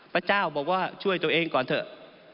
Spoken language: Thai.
พระเจ้าบอกว่าช่วยตัวเองก่อนเถอะ